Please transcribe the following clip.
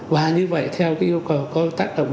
và như vậy theo cái yêu cầu có tác động